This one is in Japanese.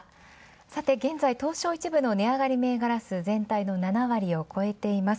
さて、東証１部の値上がり銘柄数全体の７割を超えています。